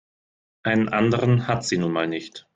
Einen anderen hat sie nun mal nicht.